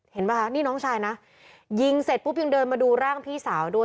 เห็นป่ะคะนี่น้องชายนะยิงเสร็จปุ๊บยังเดินมาดูร่างพี่สาวด้วย